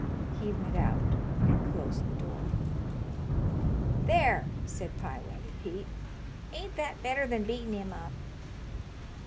He went out and closed the door. "There," said Pie Wagon Pete. "Ain't that better than beatin' him up?"